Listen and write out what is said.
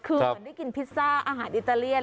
คือเหมือนได้กินพิซซ่าอาหารอิตาเลียน